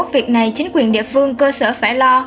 việc này chính quyền địa phương cơ sở phải lo